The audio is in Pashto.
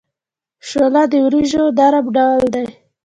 شوله د وریجو نرم ډول دی.